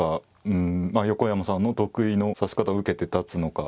うんまあ横山さんの得意の指し方を受けて立つのか。